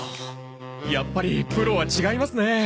やっぱりプロは違いますね。